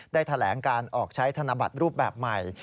แถลงการออกใช้ธนบัตรรูปแบบใหม่